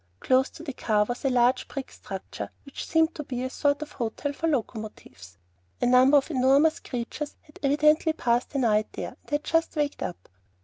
Close to the car was a large brick structure which seemed to be a sort of hotel for locomotives. A number of the enormous creatures had evidently passed the night there, and just waked up.